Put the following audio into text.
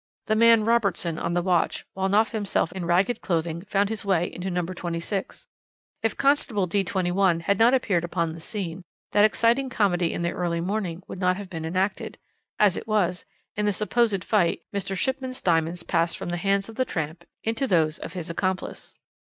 The man Robertson on the watch, while Knopf himself in ragged clothing found his way into No. 26. If Constable D 21 had not appeared upon the scene that exciting comedy in the early morning would not have been enacted. As it was, in the supposed fight, Mr. Shipman's diamonds passed from the hands of the tramp into those of his accomplice.